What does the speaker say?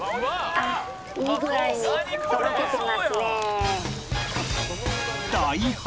あっいい具合にとろけてますね。